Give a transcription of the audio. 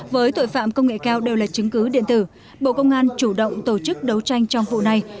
với tội phạm công nghệ cao đều là chứng cứ điện tử bộ công an chủ động tổ chức đấu tranh trong vụ này